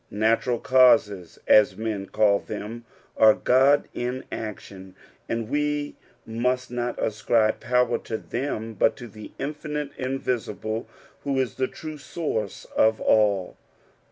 Natural causes, as men call them, are Gad in action, and we muat not ascribe power to them, but to the infinite Invisible who ia the true source of all.